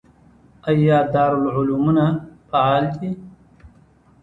آیا دارالعلومونه فعال دي؟